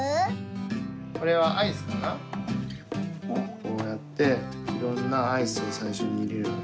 こうやっていろんなアイスをさいしょにいれるのね